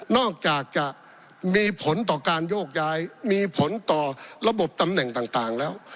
อกจากจะมีผลต่อการโยกย้ายมีผลต่อระบบตำแหน่งต่างแล้ว